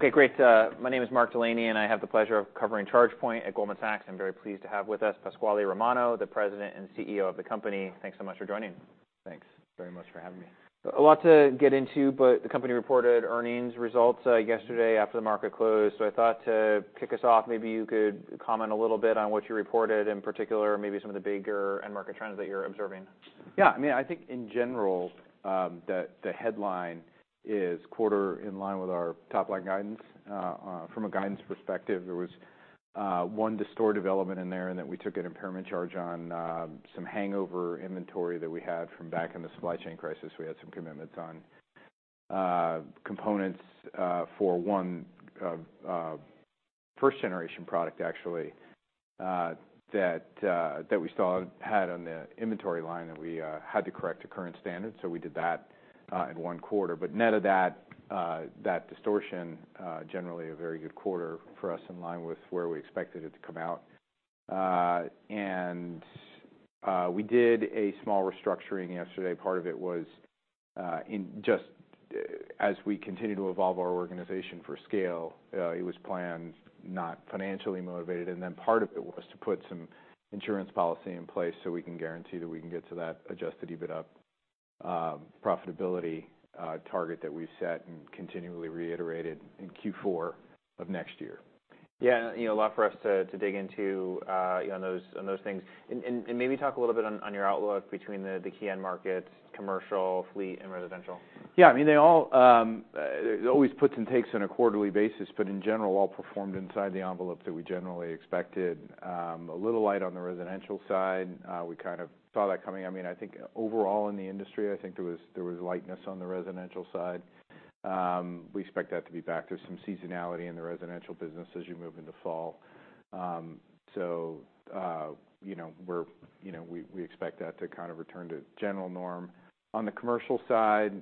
Okay, great. My name is Mark Delaney, and I have the pleasure of covering ChargePoint at Goldman Sachs. I'm very pleased to have with us Pasquale Romano, the President and CEO of the company. Thanks so much for joining. Thanks very much for having me. A lot to get into, but the company reported earnings results yesterday after the market closed. I thought to kick us off, maybe you could comment a little bit on what you reported, in particular, maybe some of the bigger end market trends that you're observing. Yeah, I mean, I think in general, the headline is quarter in line with our top-line guidance. From a guidance perspective, there was one distorted development in there, and that we took an impairment charge on some hangover inventory that we had from back in the supply chain crisis. We had some commitments on components for one first-generation product, actually, that we still had on the inventory line that we had to correct to current standards. So we did that in one quarter. But net of that distortion, generally a very good quarter for us in line with where we expected it to come out. And we did a small restructuring yesterday. Part of it was, as we continue to evolve our organization for scale, it was planned, not financially motivated, and then part of it was to put some insurance policy in place so we can guarantee that we can get to that adjusted EBITDA profitability target that we've set and continually reiterated in Q4 of next year. Yeah, you know, a lot for us to dig into on those things. And maybe talk a little bit on your outlook between the key end markets, commercial, fleet, and residential. Yeah, I mean, there's always puts and takes on a quarterly basis, but in general, all performed inside the envelope that we generally expected. A little light on the residential side, we kind of saw that coming. I mean, I think overall in the industry, I think there was, there was lightness on the residential side. We expect that to be back. There's some seasonality in the residential business as you move into fall. So, you know, we expect that to kind of return to general norm. On the commercial side,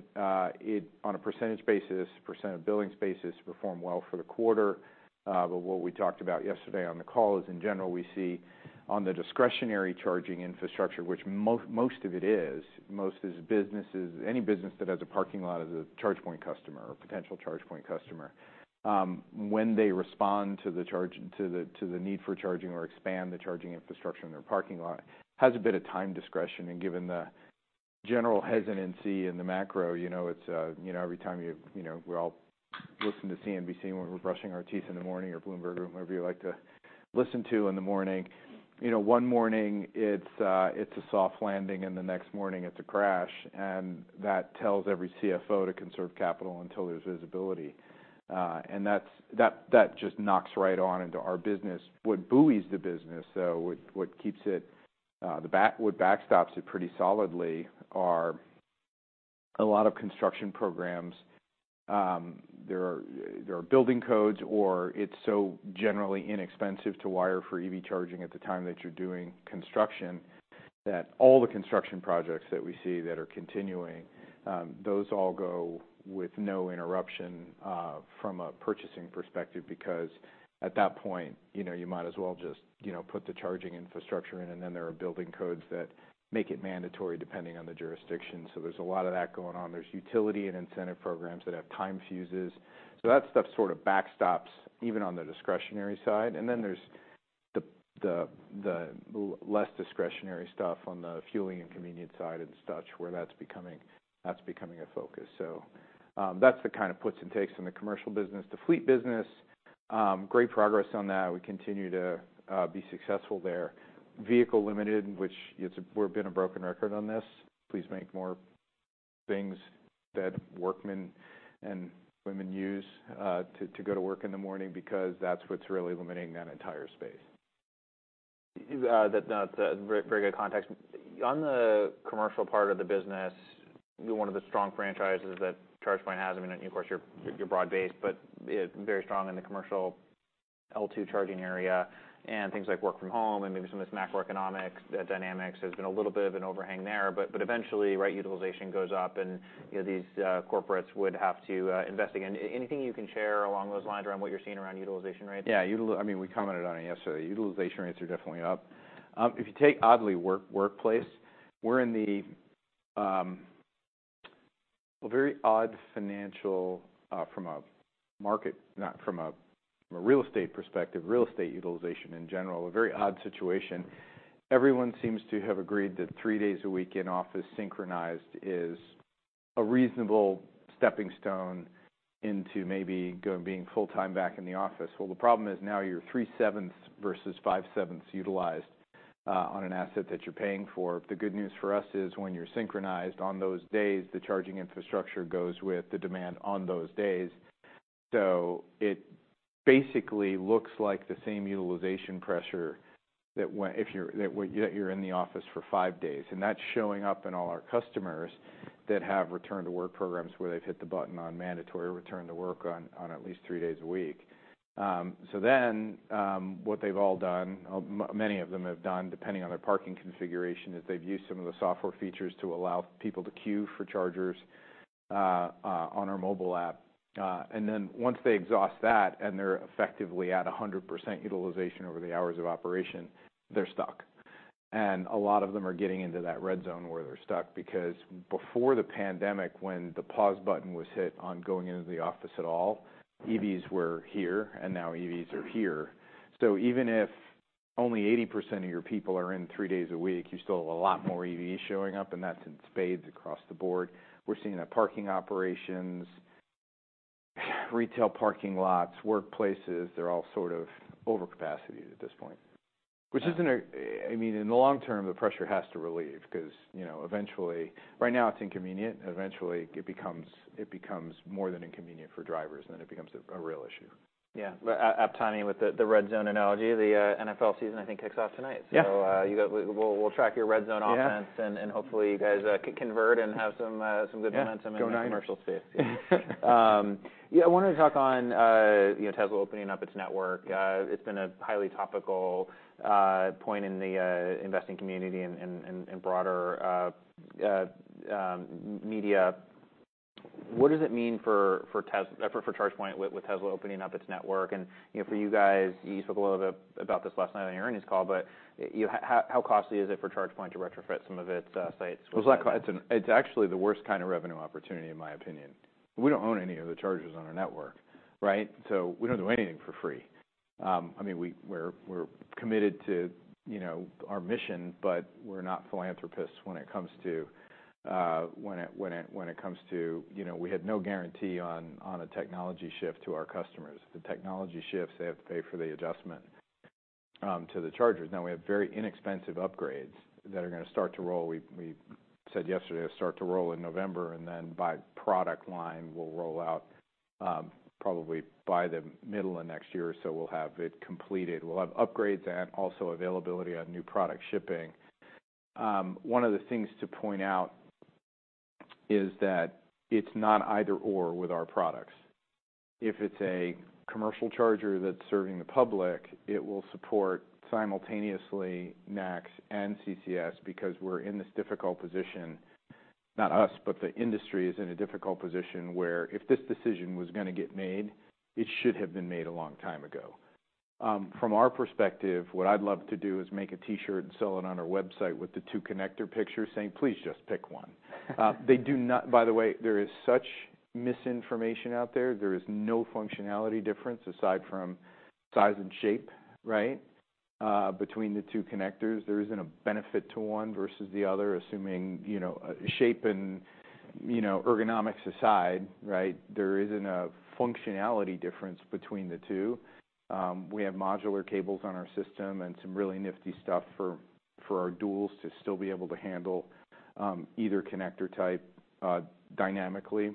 it on a percentage basis, percent of billings basis, performed well for the quarter. But what we talked about yesterday on the call is, in general, we see on the discretionary charging infrastructure, which most of it is, most is businesses. Any business that has a parking lot is a ChargePoint customer or potential ChargePoint customer. When they respond to the need for charging or expand the charging infrastructure in their parking lot, has a bit of time discretion, and given the general hesitancy in the macro, every time you we're all listening to CNBC when we're brushing our teeth in the morning, or Bloomberg, or whoever you like to listen to in the morning. You know, one morning, it's a soft landing, and the next morning, it's a crash, and that tells every CFO to conserve capital until there's visibility. And that's just knocks right on into our business. What buoys the business, though, what keeps it, what backstops it pretty solidly are a lot of construction programs. There are building codes, or it's so generally inexpensive to wire for EV charging at the time that you're doing construction, that all the construction projects that we see that are continuing, those all go with no interruption, from a purchasing perspective, because at that point, you know, you might as well just, you know, put the charging infrastructure in, and then there are building codes that make it mandatory, depending on the jurisdiction. So there's a lot of that going on. There's utility and incentive programs that have time fuses. So that stuff sort of backstops even on the discretionary side. And then there's the less discretionary stuff on the fueling and convenience side and such, where that's becoming a focus. So, that's the kind of puts and takes in the commercial business. The fleet business, great progress on that. We continue to be successful there. Vehicle limited, which we've been a broken record on this. Please make more things that workmen and women use to go to work in the morning, because that's what's really limiting that entire space. That's a very, very good context. On the commercial part of the business, one of the strong franchises that ChargePoint has, I mean, of course you're broad-based, but it's very strong in the commercial L2 charging area and things like work from home and maybe some of this macroeconomics, the dynamics has been a little bit of an overhang there. But eventually, right, utilization goes up, and, you know, these corporates would have to invest again. Anything you can share along those lines around what you're seeing around utilization rates? Yeah, I mean, we commented on it yesterday. Utilization rates are definitely up. If you take, oddly, workplace, we're in a very odd financial, from a market, not from a real estate perspective, real estate utilization in general, a very odd situation. Everyone seems to have agreed that three days a week in office synchronized is a reasonable stepping stone into maybe being full-time back in the office. Well, the problem is now you're three-sevenths versus five-sevenths utilized on an asset that you're paying for. The good news for us is when you're synchronized on those days, the charging infrastructure goes with the demand on those days. So it basically looks like the same utilization pressure that if you're in the office for five days, and that's showing up in all our customers that have return-to-work programs, where they've hit the button on mandatory return-to-work on at least three days a week. So then, what they've all done, many of them have done, depending on their parking configuration, is they've used some of the software features to allow people to queue for chargers on our mobile app. And then once they exhaust that, and they're effectively at 100% utilization over the hours of operation, they're stuck, and a lot of them are getting into that red zone where they're stuck. Because before the pandemic, when the pause button was hit on going into the office at all, EVs were here, and now EVs are here. So even if only 80% of your people are in three days a week, you still have a lot more EVs showing up, and that's in spades across the board. We're seeing that parking operations, retail parking lots, workplaces, they're all sort of overcapacity at this point. In the long-term, the pressure has to relieve because, right now it's inconvenient, eventually, it becomes more than inconvenient for drivers, and then it becomes a real issue. Yeah. Apt timing with the red zone analogy. The NFL season, I think, kicks off tonight. We'll track your red zone offense and hopefully, you guys can convert and have some good moments in the commercial space. Yeah, I wanted to talk on, you know, Tesla opening up its network. It's been a highly topical point in the investing community and broader media. What does it mean for ChargePoint with Tesla opening up its network? And, you know, for you guys, you spoke a little bit about this last night on your earnings call, but how costly is it for ChargePoint to retrofit some of its sites? Well, it's actually the worst kind of revenue opportunity, in my opinion. We don't own any of the chargers on our network, right? So we don't do anything for free. I mean, we're committed to, you know, our mission, but we're not philanthropists when it comes to, we had no guarantee on a technology shift to our customers. If the technology shifts, they have to pay for the adjustment to the chargers. Now, we have very inexpensive upgrades that are going to start to roll. We said yesterday, they'll start to roll in November, and then by product line, we'll roll out, probably by the middle of next year. So we'll have it completed. We'll have upgrades and also availability on new product shipping. One of the things to point out is that it's not either/or with our products. If it's a commercial charger that's serving the public, it will support simultaneously, NACS and CCS, because we're in this difficult position. Not us, but the industry is in a difficult position where if this decision was going to get made, it should have been made a long time ago. From our perspective, what I'd love to do is make a T-shirt and sell it on our website with the two connector pictures saying, "Please just pick one." By the way, there is such misinformation out there. There is no functionality difference, aside from size and shape, right? Between the two connectors, there isn't a benefit to one versus the other, assuming, you know, shape and, you know, ergonomics aside, right? There isn't a functionality difference between the two. We have modular cables on our system and some really nifty stuff for our duals to still be able to handle either connector type dynamically.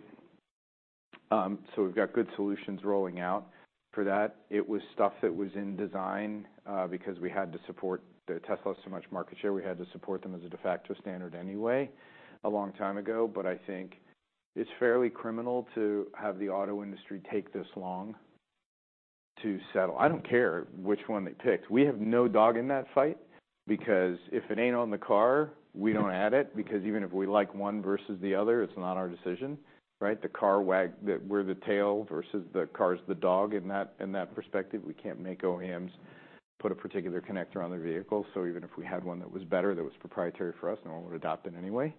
So we've got good solutions rolling out for that. It was stuff that was in design because we had to support the Tesla, so much market share. We had to support them as a de facto standard anyway, a long time ago. But I think it's fairly criminal to have the auto industry take this long to settle. I don't care which one they picked. We have no dog in that fight, because if it ain't on the car, we don't add it. Because even if we like one versus the other, it's not our decision, right? We're the tail versus the car's the dog in that perspective. We can't make OEMs put a particular connector on their vehicle. So even if we had one that was better, that was proprietary for us, no one would adopt it anyway.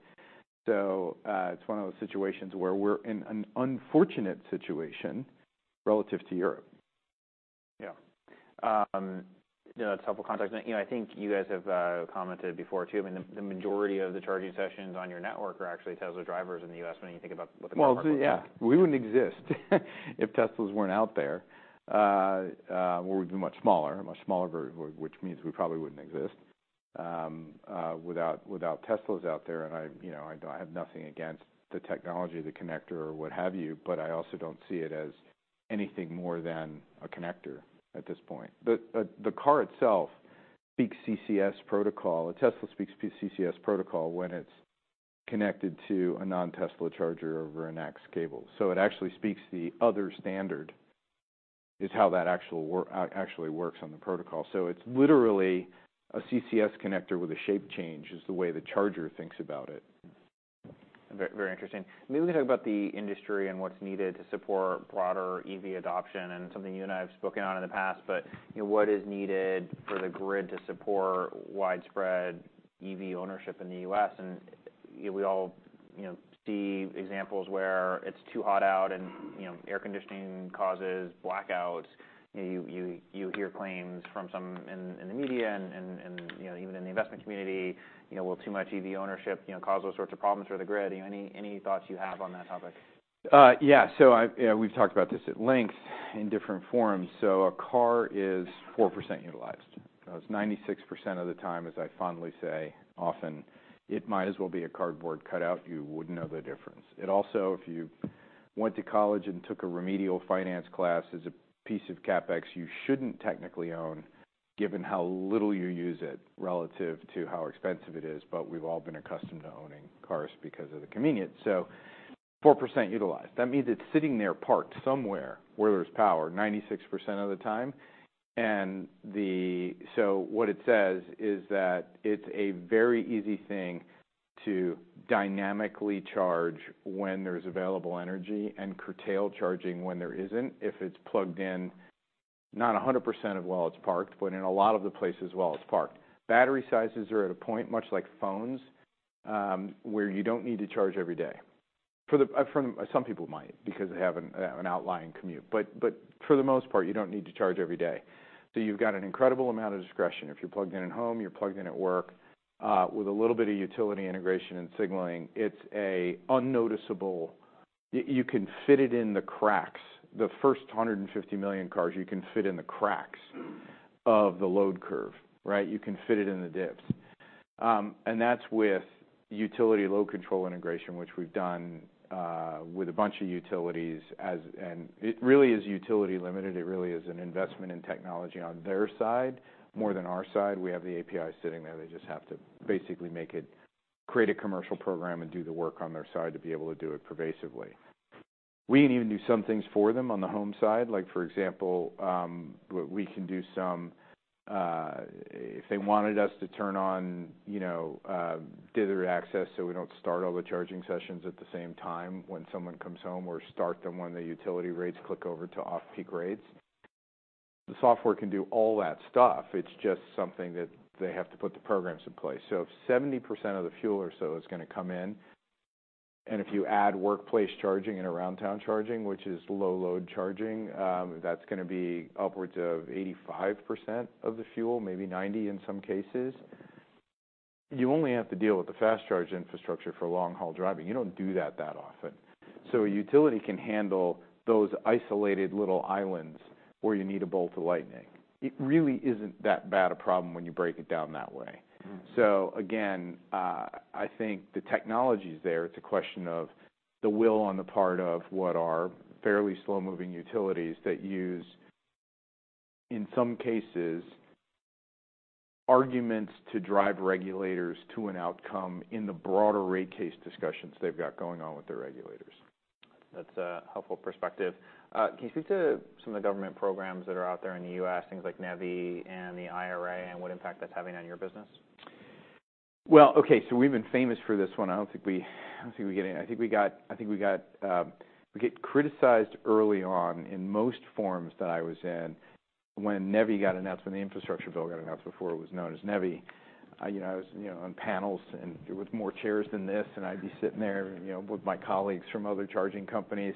So, it's one of those situations where we're in an unfortunate situation relative to Europe. Yeah. You know, it's helpful context. You know, I think you guys have commented before, too. I mean, the majority of the charging sessions on your network are actually Tesla drivers in the U.S. when you think about what the market. Well, yeah. We wouldn't exist if Teslas weren't out there. Well, we'd be much smaller, a much smaller version, which means we probably wouldn't exist without, without Teslas out there. And I, you know, I have nothing against the technology, the connector or what have you, but I also don't see it as anything more than a connector at this point. But the car itself speaks CCS protocol. A Tesla speaks CCS protocol when it's connected to a non-Tesla charger over an X cable. So it actually speaks the other standard, is how that actually works on the protocol. So it's literally a CCS connector with a shape change, is the way the charger thinks about it. Very interesting. Maybe we can talk about the industry and what's needed to support broader EV adoption, and something you and I have spoken on in the past. But, you know, what is needed for the grid to support widespread EV ownership in the U.S.? And, you know, we all, you know, see examples where it's too hot out and, you know, air conditioning causes blackouts. You hear claims from some in the media and, you know, even in the investment community, you know, will too much EV ownership, you know, cause those sorts of problems for the grid? Any thoughts you have on that topic? Yeah. So we've talked about this at length in different forms. So a car is 4% utilized. So it's 96% of the time, as I fondly say, often, it might as well be a cardboard cutout. You wouldn't know the difference. It also, if you went to college and took a remedial finance class, is a piece of CapEx you shouldn't technically own, given how little you use it relative to how expensive it is. But we've all been accustomed to owning cars because of the convenience, so 4% utilized. That means it's sitting there parked somewhere where there's power 96% of the time. And so what it says is that it's a very easy thing to dynamically charge when there's available energy, and curtail charging when there isn't, if it's plugged in not 100% of while it's parked, but in a lot of the places while it's parked. Battery sizes are at a point, much like phones, where you don't need to charge every day. Some people might, because they have an, an outlying commute, but for the most part, you don't need to charge every day. So you've got an incredible amount of discretion. If you're plugged in at home, you're plugged in at work, with a little bit of utility integration and signaling, it's unnoticeable. You can fit it in the cracks. The first 150 million cars, you can fit in the cracks of the load curve, right? You can fit it in the dips. And that's with utility load control integration, which we've done with a bunch of utilities. It really is utility limited. It really is an investment in technology on their side more than our side. We have the API sitting there. They just have to basically create a commercial program and do the work on their side to be able to do it pervasively. We can even do some things for them on the home side. Like, for example, we, we can do some. If they wanted us to turn on, you know, dither access, so we don't start all the charging sessions at the same time when someone comes home or start them when the utility rates click over to off-peak rates, the software can do all that stuff. It's just something that they have to put the programs in place. So if 70% of the fuel or so is going to come in, and if you add workplace charging and around town charging, which is low load charging, that's going to be upwards of 85% of the fuel, maybe 90%, in some cases. You only have to deal with the fast charge infrastructure for long-haul driving. You don't do that that often. So a utility can handle those isolated little islands where you need a bolt of lightning. It really isn't that bad a problem when you break it down that way. So again, I think the technology's there. It's a question of the will on the part of what are fairly slow-moving utilities that use, in some cases, arguments to drive regulators to an outcome in the broader rate case discussions they've got going on with the regulators. That's a helpful perspective. Can you speak to some of the government programs that are out there in the U.S., things like NEVI and the IRA, and what impact that's having on your business? Well, okay, so we've been famous for this one. I think we get criticized early on in most forums that I was in when NEVI got announced, when the infrastructure bill got announced, before it was known as NEVI. You know, I was on panels and with more chairs than this, and I'd be sitting there, you know, with my colleagues from other charging companies,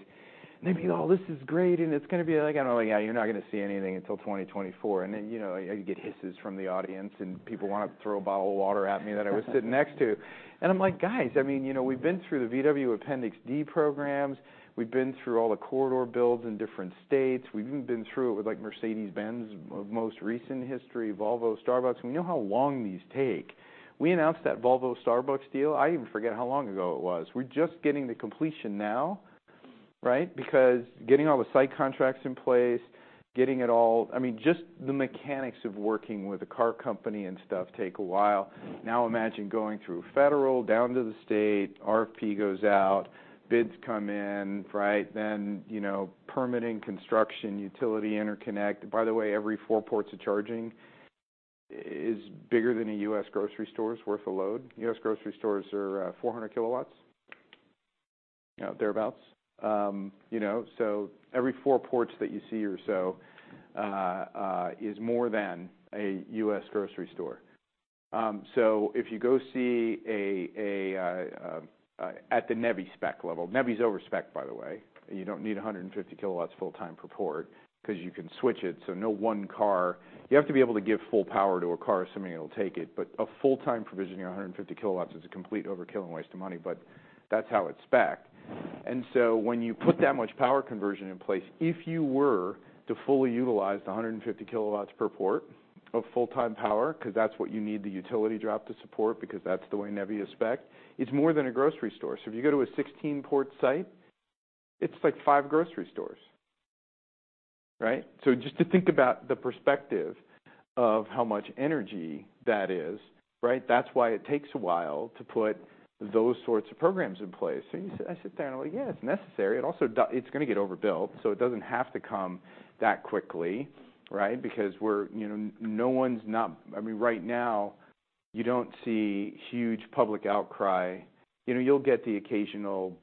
and they'd be, "Oh, this is great, and it's going to be." I'm like, "Yeah, you're not going to see anything until 2024." And then, you know, I'd get hisses from the audience, and people'd want to throw a bottle of water at me that I was sitting next to. And I'm like: "Guys, I mean, you know, we've been through the VW Appendix D programs. We've been through all the corridor builds in different states. We've even been through it with, like, Mercedes-Benz, of most recent history, Volvo, Starbucks. We know how long these take." We announced that Volvo Starbucks deal, I even forget how long ago it was. We're just getting to completion now, right? Because getting all the site contracts in place, just the mechanics of working with a car company and stuff take a while. Now, imagine going through federal, down to the state, RFP goes out, bids come in, right? Then, you know, permitting, construction, utility, interconnect. By the way, every four ports of charging is bigger than a U.S. grocery store's worth of load. U.S. grocery stores are, 400 kW, you know, thereabouts. You know, every four ports that you see or so is more than a U.S. grocery store. If you go see at the NEVI spec level, NEVI's overspec, by the way. You don't need 150 kW full-time per port, 'cause you can switch it, so no one car, you have to be able to give full power to a car, assuming it'll take it, but a full-time provision of 150 kW is a complete overkill and waste of money, but that's how it's spec'd. When you put that much power conversion in place, if you were to fully utilize the 150 kW per port of full-time power, because that's what you need the utility drop to support, because that's the way NEVI is spec, it's more than a grocery store. So if you go to a 16-port site, it's like five grocery stores, right? So just to think about the perspective of how much energy that is, right? That's why it takes a while to put those sorts of programs in place. So I sit there, and I'm like, "Yeah, it's necessary." It's going to get overbuilt, so it doesn't have to come that quickly, right? Because, right now, you don't see huge public outcry. You know, you'll get the occasional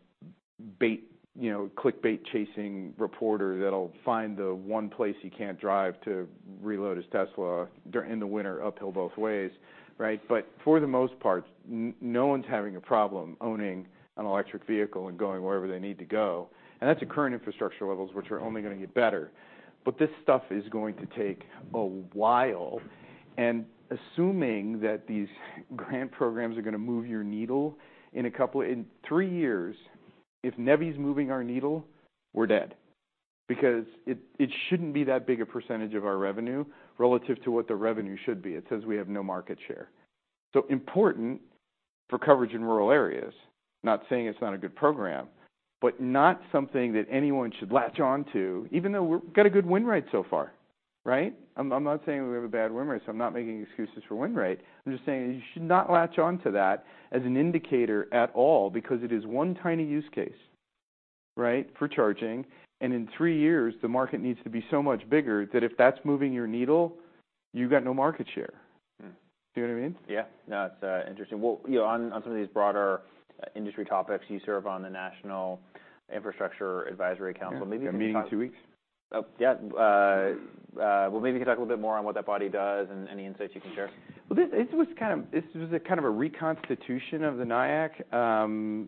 clickbait-chasing reporter that'll find the one place he can't drive to reload his Tesla during, in the winter, uphill both ways, right? But for the most part, no one's having a problem owning an electric vehicle and going wherever they need to go. And that's at current infrastructure levels, which are only going to get better. But this stuff is going to take a while. And assuming that these grant programs are going to move your needle in three years, if NEVI is moving our needle, we're dead, because it, it shouldn't be that big a percentage of our revenue relative to what the revenue should be. It says we have no market share. So important for coverage in rural areas, not saying it's not a good program, but not something that anyone should latch on to, even though we got a good win rate so far, right? I'm, I'm not saying we have a bad win rate, so I'm not making excuses for win rate. I'm just saying you should not latch on to that as an indicator at all, because it is one tiny use case, right, for charging. In three years, the market needs to be so much bigger, that if that's moving your needle, you've got no market share. See what I mean? Yeah. No, it's interesting. Well, you know, on some of these broader industry topics, you serve on the National Infrastructure Advisory Council. Yeah, got a meeting in two weeks. Oh, yeah. Well, maybe you can talk a little bit more on what that body does and any insights you can share. Well, this was kind of a reconstitution of the NIAC. I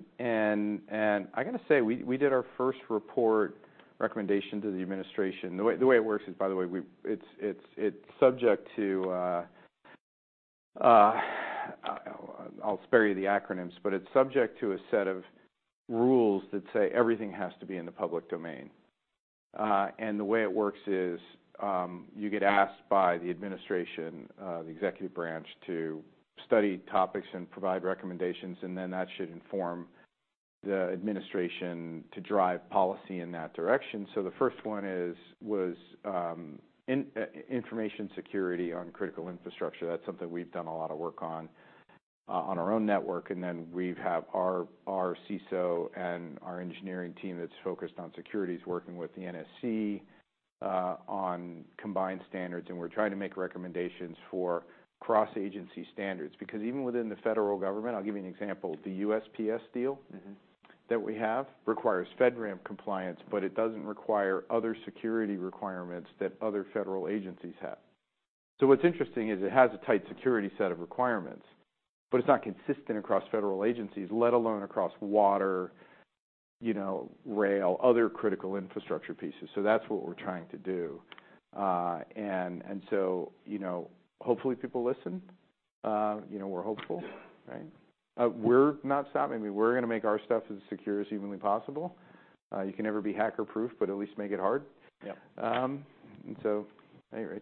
got to say, we did our first report recommendation to the administration. The way it works is, by the way, it's subject to, I'll spare you the acronyms, but it's subject to a set of rules that say everything has to be in the public domain. The way it works is, you get asked by the administration, the executive branch, to study topics and provide recommendations, and then that should inform the administration to drive policy in that direction. So the first one was information security on critical infrastructure. That's something we've done a lot of work on, on our own network. Then we have our CISO and our engineering team that's focused on security is working with the NSC on combined standards, and we're trying to make recommendations for cross-agency standards. Because even within the federal government, I'll give you an example, the USPS deal that we have requires FedRAMP compliance, but it doesn't require other security requirements that other federal agencies have. So what's interesting is it has a tight security set of requirements, but it's not consistent across federal agencies, let alone across water, you know, rail, other critical infrastructure pieces. So that's what we're trying to do. And so, you know, hopefully, people listen. You know, we're hopeful, right? We're not stopping. I mean, we're going to make our stuff as secure as humanly possible. You can never be hacker-proof, but at least make it hard. Anyway.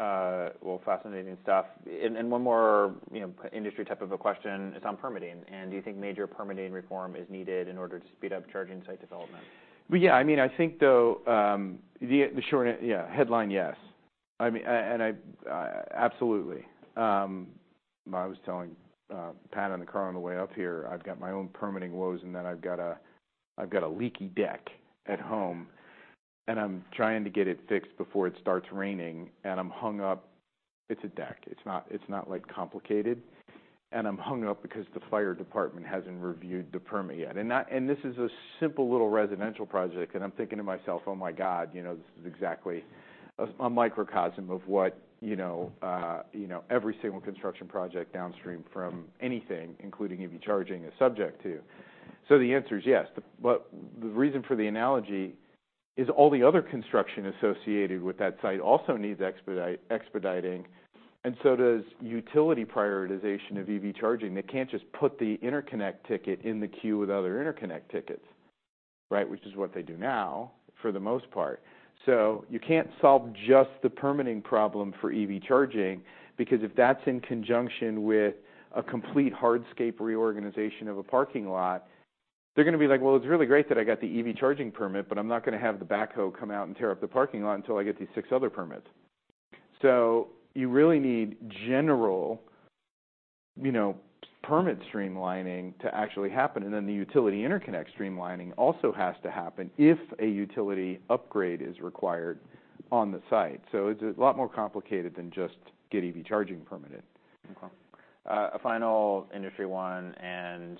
Well, fascinating stuff. One more, you know, industry type of a question. It's on permitting, and do you think major permitting reform is needed in order to speed up charging site development? Well, yeah, I mean, I think, though, yeah, headline, yes. I mean, and absolutely. I was telling Pat in the car on the way up here, I've got my own permitting woes, and then I've got a leaky deck at home, and I'm trying to get it fixed before it starts raining, and I'm hung up. It's a deck. It's not, like, complicated. And I'm hung up because the fire department hasn't reviewed the permit yet. And this is a simple, little residential project, and I'm thinking to myself: "Oh, my God, you know, this is exactly a microcosm of what, you know, every single construction project downstream from anything, including EV charging, is subject to." So the answer is yes. But the reason for the analogy is all the other construction associated with that site also needs expediting, and so does utility prioritization of EV charging. They can't just put the interconnect ticket in the queue with other interconnect tickets, right? Which is what they do now, for the most part. So you can't solve just the permitting problem for EV charging, because if that's in conjunction with a complete hardscape reorganization of a parking lot, they're going to be like: "Well, it's really great that I got the EV charging permit, but I'm not going to have the backhoe come out and tear up the parking lot until I get these six other permits." So you really need general, you know, permit streamlining to actually happen, and then the utility interconnect streamlining also has to happen if a utility upgrade is required on the site. It's a lot more complicated than just get EV charging permitted. Okay. A final industry one, and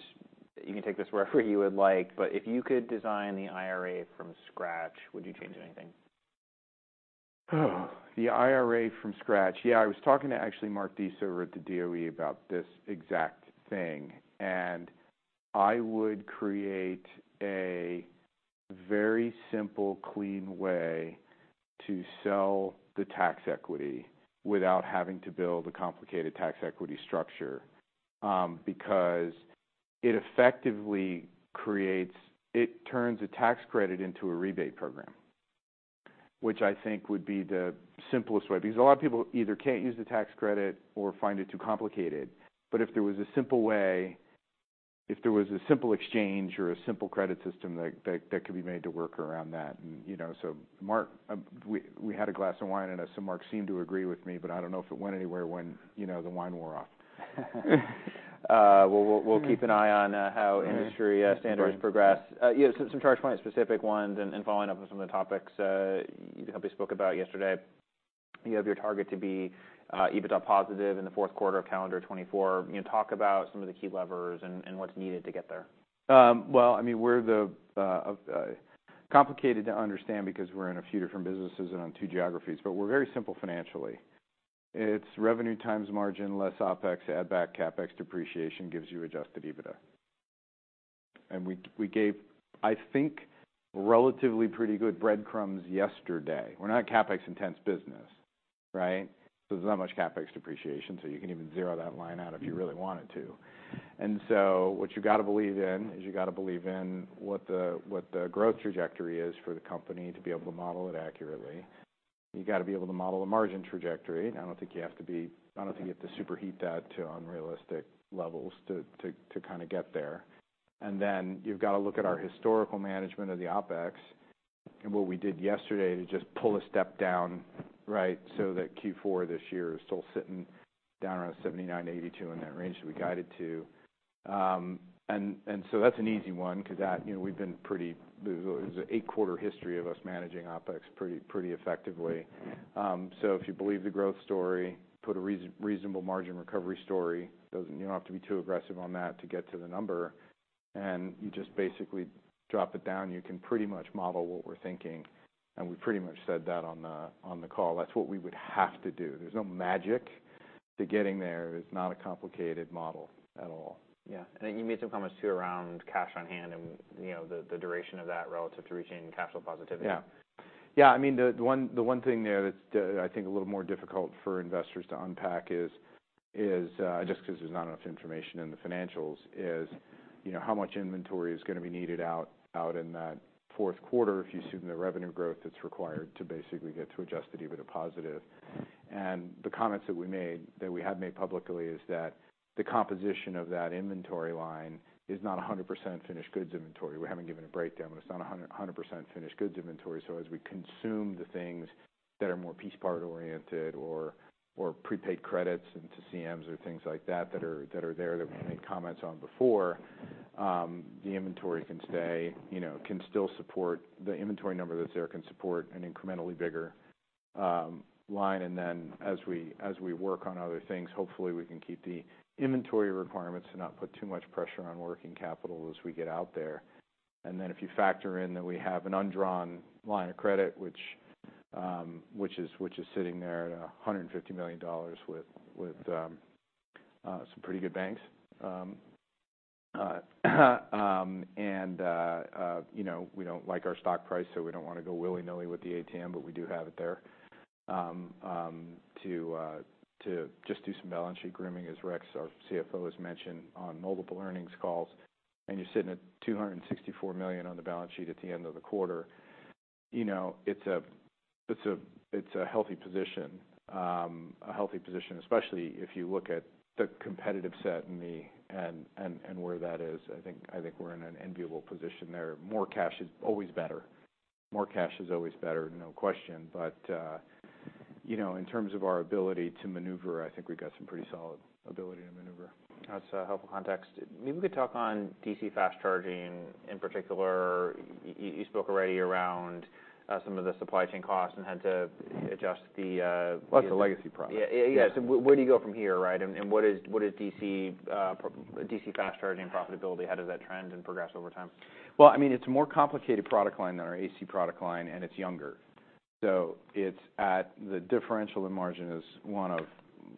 you can take this wherever you would like. If you could design the IRA from scratch, would you change anything? Oh, the IRA from scratch. Yeah, I was talking to, actually, Mark Dieso at the DOE about this exact thing, and I would create a very simple, clean way to sell the tax equity without having to build a complicated tax equity structure. Because it effectively creates, it turns a tax credit into a rebate program, which I think would be the simplest way. Because a lot of people either can't use the tax credit or find it too complicated. But if there was a simple way, if there was a simple exchange or a simple credit system that could be made to work around that, and, you know. We had a glass of wine, and so Mark seemed to agree with me, but I don't know if it went anywhere when, you know, the wine wore off. We'll keep an eye on how industry standards progress. Yeah, so some ChargePoint specific ones and following up on some of the topics you hopefully spoke about yesterday. You have your target to be EBITDA positive in the fourth quarter of calendar 2024. You know, talk about some of the key levers and what's needed to get there. Well, I mean, we're complicated to understand because we're in a few different businesses and on two geographies, but we're very simple financially. It's revenue times margin, less OpEx, add back CapEx, depreciation gives you adjusted EBITDA. We gave, I think, relatively pretty good breadcrumbs yesterday. We're not a CapEx-intense business, right? So there's not much CapEx depreciation, so you can even zero that line out if you really wanted to. So what you got to believe in is you got to believe in what the growth trajectory is for the company to be able to model it accurately. You got to be able to model the margin trajectory, and I don't think you have to superheat that to unrealistic levels to kind of get there. You got to look at our historical management of the OpEx, and what we did yesterday to just pull a step down, right, so that Q4 this year is still sitting down around $79 million-$82 million in that range that we guided to. There's an eight-quarter history of us managing OpEx pretty effectively. You know, if you believe the growth story, put a reasonable margin recovery story, you don't have to be too aggressive on that to get to the number, and you just basically drop it down. You can pretty much model what we're thinking, and we pretty much said that on the call. That's what we would have to do. There's no magic to getting there. It's not a complicated model at all. Yeah, and I think you made some comments around cash on hand and, you know, the duration of that relative to reaching capital positivity. Yeah, I mean, the one thing there that's, I think a little more difficult for investors to unpack is just because there's not enough information in the financials, you know, how much inventory is going to be needed out in that fourth quarter if you assume the revenue growth that's required to basically get to adjusted EBITDA positive. And the comments that we made, that we have made publicly, is that the composition of that inventory line is not 100% finished goods inventory. We haven't given a breakdown, but it's not 100% finished goods inventory. So as we consume the things that are more piece part-oriented or prepaid credits into CMs or things like that that are there, that we've made comments on before, the inventory number that's there can support an incrementally bigger line. And then, as we work on other things, hopefully, we can keep the inventory requirements to not put too much pressure on working capital as we get out there. And then, if you factor in that we have an undrawn line of credit, which is sitting there at $150 million with some pretty good banks. And you know, we don't like our stock price, so we don't want to go willy-nilly with the ATM, but we do have it there to just do some balance sheet grooming, as Rex, our CFO, has mentioned on multiple earnings calls. You're sitting at $264 million on the balance sheet at the end of the quarter, you know, it's a healthy position, especially if you look at the competitive set and where that is. I think we're in an enviable position there. More cash is always better. More cash is always better, no question but, you know, in terms of our ability to maneuver, I think we've got some pretty solid ability to maneuver. That's a helpful context. Maybe we could talk on DC fast charging in particular. You spoke already around some of the supply chain costs. Well, that's a legacy product. Yeah. Yeah, so where do you go from here, right? And, and what is DC fast charging profitability? How does that trend and progress over time? Well, I mean, it's a more complicated product line than our AC product line, and it's younger. The differential in margin is one of,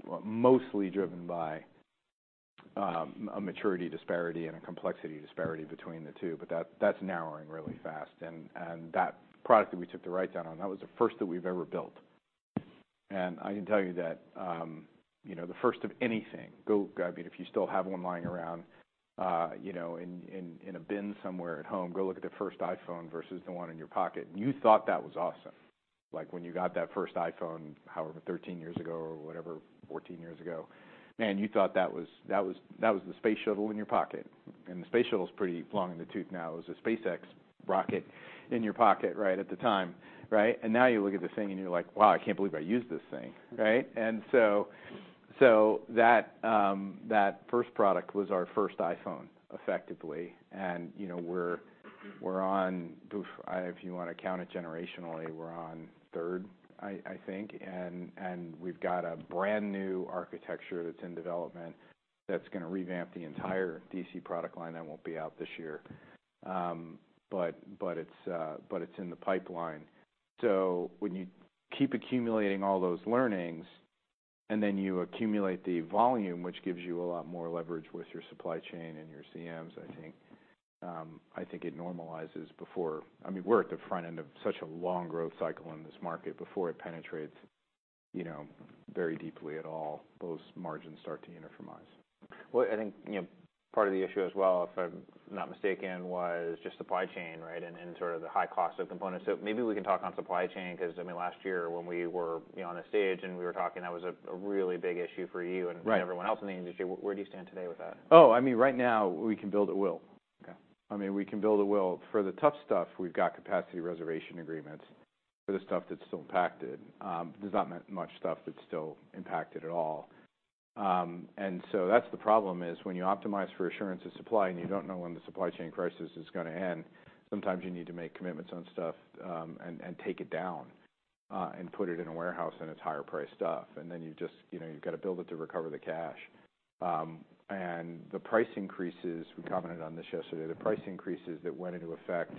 well, mostly driven by a maturity disparity and a complexity disparity between the two, but that's narrowing really fast. And that product that we took the write down on, that was the first that we've ever built. And I can tell you that, you know, the first of anything, I mean, if you still have one lying around, you know, in a bin somewhere at home, go look at the first iPhone versus the one in your pocket, and you thought that was awesome, like, when you got that first iPhone, however, 13 years ago or whatever, 14 years ago. Man, you thought that was the space shuttle in your pocket, and the space shuttle's pretty long in the tooth now. It was a SpaceX rocket in your pocket right at the time, right? And now you look at the thing, and you're like, "Wow, I can't believe I used this thing," right? And so that first product was our first iPhone, effectively, and, you know, we're on, if you want to count it generationally, we're on third, I think. And we've got a brand-new architecture that's in development that's going to revamp the entire DC product line that won't be out this year. But it's in the pipeline. So when you keep accumulating all those learnings, and then you accumulate the volume, which gives you a lot more leverage with your supply chain and your CMs, I think, I think it normalizes before... I mean, we're at the front end of such a long growth cycle in this market. Before it penetrates, you know, very deeply at all, those margins start to uniformize. Well, I think, you know, part of the issue as well, if I'm not mistaken, was just supply chain, right? And sort of the high cost of components. So maybe we can talk on supply chain, because, I mean, last year, when we were, you know, on a stage and we were talking, that was a really big issue for you and everyone else in the industry. Where, where do you stand today with that? Oh, I mean, right now we can build at will. I mean, we can build at will. For the tough stuff, we've got capacity reservation agreements for the stuff that's still impacted. There's not much stuff that's still impacted at all. And so that's the problem, is when you optimize for assurance of supply and you don't know when the supply chain crisis is going to end, sometimes you need to make commitments on stuff and take it down, and put it in a warehouse, and it's higher-priced stuff, and then you just, you know, you've got to build it to recover the cash. And the price increases, we commented on this yesterday, the price increases that went into effect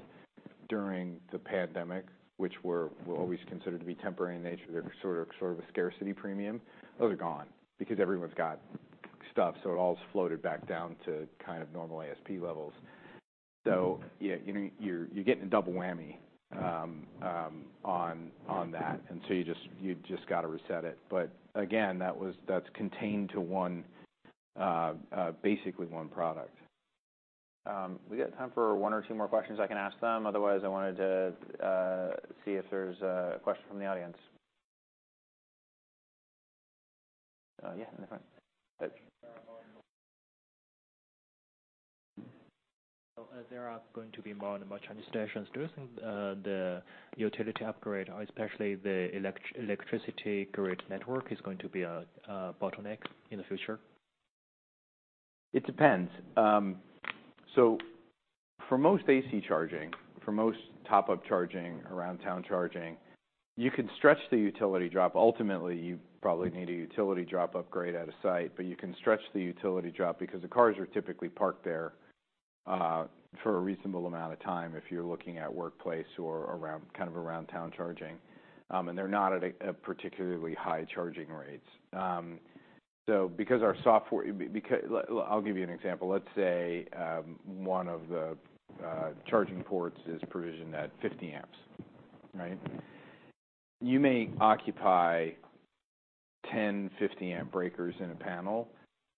during the pandemic, which were always considered to be temporary in nature, they're sort of a scarcity premium, those are gone because everyone's got stuff, so it all's floated back down to kind of normal ASP levels. So yeah, you know, you're getting a double whammy on that, and so you just got to reset it. But again, that's contained to basically one product. We got time for one or two more questions. I can ask them. Otherwise, I wanted to see if there's a question from the audience. So, there are going to be more and more charging stations. Do you think the utility upgrade, or especially the electricity grid network, is going to be a bottleneck in the future? It depends. So for most AC charging, for most top-up charging, around town charging, you can stretch the utility drop. Ultimately, you probably need a utility drop upgrade at a site, but you can stretch the utility drop because the cars are typically parked there for a reasonable amount of time if you're looking at workplace or around, kind of around town charging. And they're not at a particularly high charging rates. I'll give you an example. Let's say, one of the charging ports is provisioned at 50 A, right? You may occupy 10 A, 50 A breakers in a panel,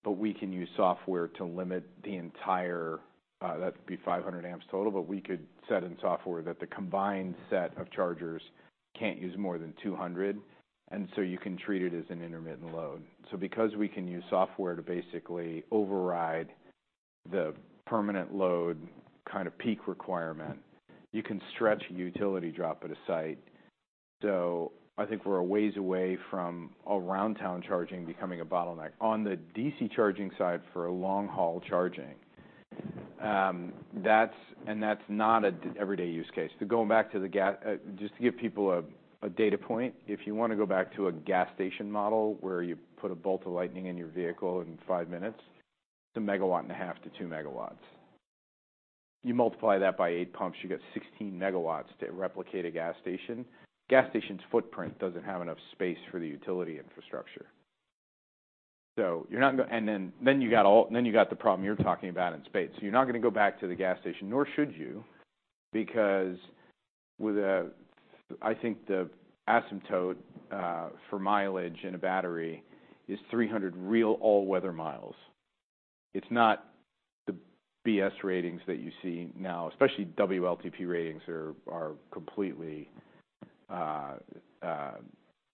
but we can use software to limit the entire, that'd be 500 A total, but we could set in software that the combined set of chargers can't use more than 200 A, and so you can treat it as an intermittent load. So because we can use software to basically override the permanent load, kind of peak requirement, you can stretch a utility drop at a site. So I think we're a ways away from around town charging becoming a bottleneck. On the DC charging side for a long-haul charging, and that's not an everyday use case. Just to give people a data point, if you want to go back to a gas station model, where you put a bolt of lightning in your vehicle in five minutes, it's 1.5 MW-2 MW. You multiply that by 8 pumps, you get 16 MW to replicate a gas station. Gas station's footprint doesn't have enough space for the utility infrastructure. So you're not going to, and then you got the problem you're talking about in space. So you're not going to go back to the gas station, nor should you, because I think the asymptote for mileage in a battery is 300 real all-weather miles. It's not the BS ratings that you see now, especially WLTP ratings are completely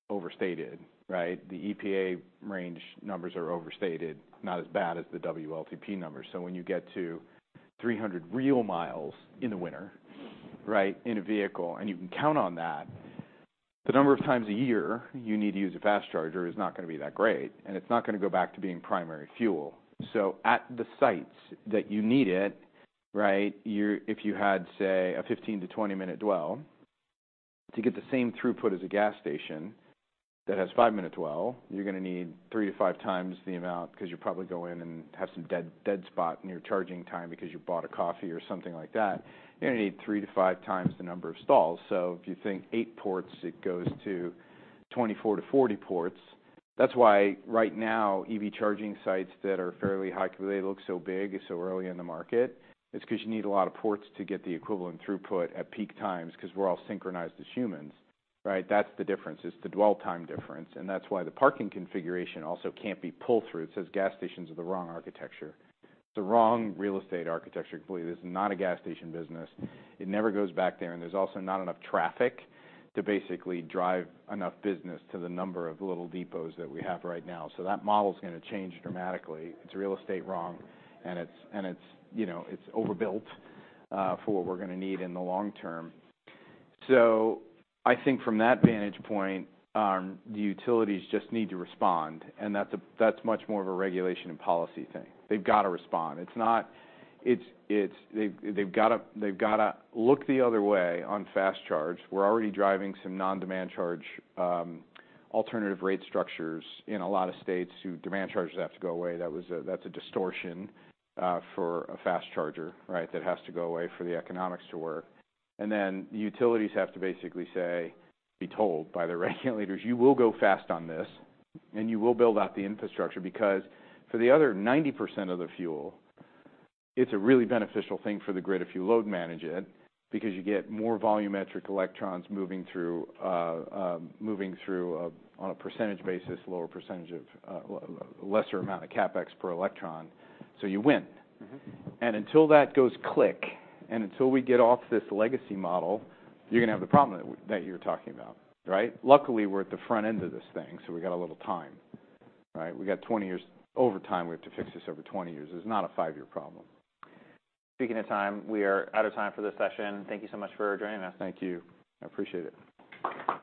overstated, right? The EPA range numbers are overstated, not as bad as the WLTP numbers. So when you get to 300 real miles in the winter, right, in a vehicle, and you can count on that, the number of times a year you need to use a fast charger is not going to be that great, and it's not going to go back to being primary fuel. So at the sites that you need it, right, if you had, say, a 15- to 20-minute dwell, to get the same throughput as a gas station that has five-minute dwell, you're going to need 3x-5x the amount, because you probably go in and have some dead spot in your charging time because you bought a coffee or something like that. You're going to need 3x-5x the number of stalls. So if you think 8 ports, it goes to 24-40 ports. That's why right now, EV charging sites that are fairly high, they look so big, it's so early in the market. It's because you need a lot of ports to get the equivalent throughput at peak times, because we're all synchronized as humans, right? That's the difference, is the dwell time difference, and that's why the parking configuration also can't be pull through. It says gas stations are the wrong architecture. The wrong real estate architecture. Believe this, is not a gas station business. It never goes back there, and there's also not enough traffic to basically drive enough business to the number of little depots that we have right now. So that model is going to change dramatically. It's real estate wrong, and it's, you know, it's overbuilt for what we're going to need in the long-term. So I think from that vantage point, the utilities just need to respond, and that's much more of a regulation and policy thing. They've got to respond. They've got to look the other way on fast charge. We're already driving some non-demand charge alternative rate structures in a lot of states, where demand charges have to go away. That's a distortion for a fast charger, right? That has to go away for the economics to work. Then, the utilities have to basically say, be told by the regular leaders, "You will go fast on this, and you will build out the infrastructure." Because for the other 90% of the fuel, it's a really beneficial thing for the grid if you load manage it, because you get more volumetric electrons moving through, on a percentage basis, lower percentage of lesser amount of CapEx per electron, so you win. Until that goes click, and until we get off this legacy model, you're going to have the problem that you're talking about, right? Luckily, we're at the front end of this thing, so we got a little time, right? We got 20 years. Over time, we have to fix this over 20 years. This is not a five-year problem. Speaking of time, we are out of time for this session. Thank you so much for joining us. Thank you. I appreciate it.